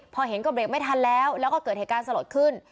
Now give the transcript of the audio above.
พอเห็นก็เบรกไม่ทันแล้วแล้วก็เกิดเหตุการณ์สลดขึ้น